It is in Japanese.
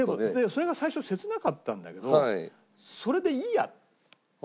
それが最初切なかったんだけどそれでいいやって。